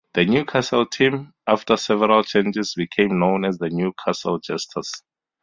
The Newcastle team, after several changes became known as the Newcastle Jesters.